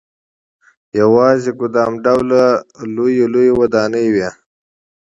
یوازې ګدام ډوله لويې لويې ودانۍ وې.